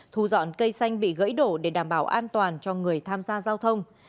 thu dọn cây xanh bị gãy đổ để đảm bảo an toàn cho người tham gia giao thông